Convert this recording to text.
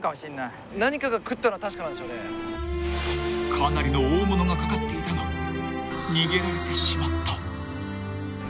［かなりの大物が掛かっていたが逃げられてしまった］